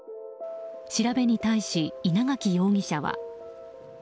調べに対し、稲垣容疑者は。